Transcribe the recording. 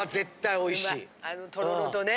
あのとろろとね。